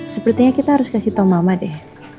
sepertinya kita harus kasih tau mama deh